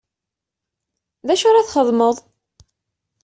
D acu ara txedmeḍ?